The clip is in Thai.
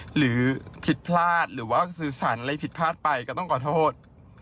หรือผิดพลาดหรือว่าสื่อสารอะไรผิดพลาดไปก็ต้องขอโทษ